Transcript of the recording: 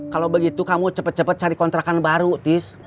kalo begitu kamu cepet cepet cari kontrakan baru tis